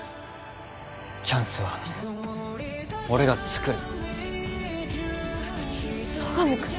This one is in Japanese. チャンスは俺が作る佐神くん